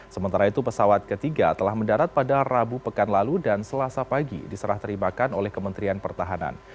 sementara itu pesawat ketiga telah mendarat pada rabu pekan lalu dan selasa pagi diserah terimakan oleh kementerian pertahanan